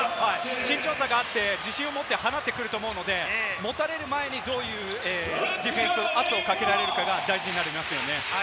身長差があって、自信を持って放ってくると思うので、持たれる前にどういう圧をかけられるかが大事になりますね。